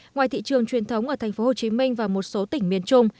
ngoài thị trường truyền thống ở tp hcm và một số tỉnh miền trung